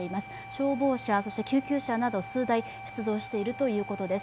消防車、救急車など数台、出動しているということです。